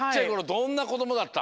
どんなこどもだった？